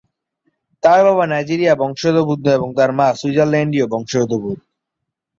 তার বাবা নাইজেরীয় বংশোদ্ভূত এবং তার মা সুইজারল্যান্ডীয় বংশোদ্ভূত।